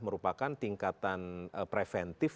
merupakan tingkatan preventif